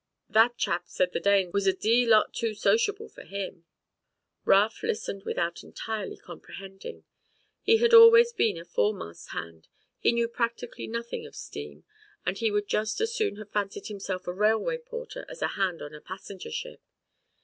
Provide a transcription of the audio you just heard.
"That chap said the Danes was a d d lot too sociable for him." Raft listened without entirely comprehending. He had always been a fore mast hand. He knew practically nothing of steam and he would just as soon have fancied himself a railway porter as a hand on a passenger ship.